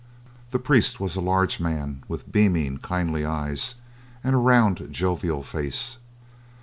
The priest was a large man with beaming, kindly eyes, and a round jovial face.